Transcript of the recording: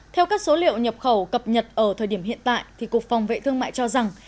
theo các số liệu nhập khẩu cập nhật ở thời điểm hiện tại cục phòng vệ thương mại cho rằng